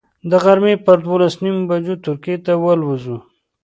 د غرمې پر دولس نیمو بجو ترکیې ته والوځو.